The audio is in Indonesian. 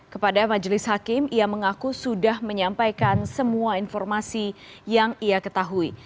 kepada majelis hakim ia mengaku sudah menyampaikan semua informasi yang ia ketahui